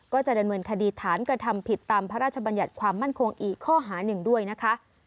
ก็จะดำเนินคดีฐานกระทำผิดตามพระราชบัญญัติความมั่นคงอีกข้อหาหนึ่งด้วยนะคะ